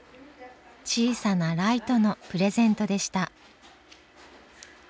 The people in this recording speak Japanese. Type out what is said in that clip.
小さなライトのプレゼントでした。